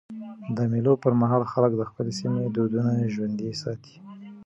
د مېلو پر مهال خلک د خپل سیمي دودونه ژوندي ساتي.